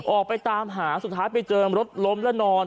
ออกไปตามหาสุดท้ายไปเจอรถล้มและนอน